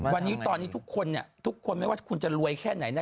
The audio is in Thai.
วันนี้ตอนนี้ทุกคนเนี่ยทุกคนทุกคนไม่ว่าคุณจะรวยแค่ไหนแน